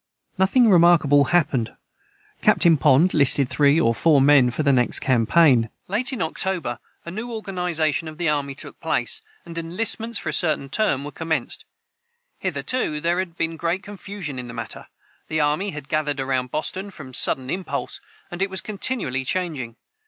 Nothing remarkable hapned captain Pond Listed three or four men for the next campaign att night it was very cold. [Footnote 180: Late in October a new organization of the army took place, and enlistments for a certain term were commenced. Hitherto there had been great confusion in the matter. The army had gathered around Boston from sudden impulse, and it was continually changing.